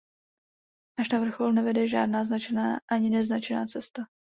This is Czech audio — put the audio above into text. Až na vrchol nevede žádná značená ani neznačená cesta.